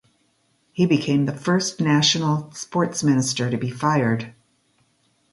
He became the first National Sports Minister to be fired.